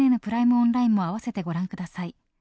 オンラインも併せてご覧ください。